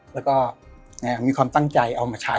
แล้วก็มีความตั้งใจเอามาใช้